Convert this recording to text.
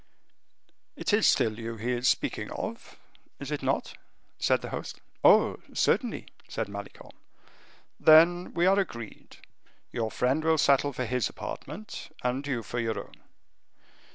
It is still you he is speaking of, is he not?" said the host. "Oh, certainly," said Malicorne. "Then we are agreed; your friend will settle for his apartment, and you for your own."